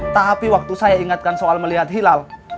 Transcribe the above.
tapi waktu saya ingatkan soal melihat hilal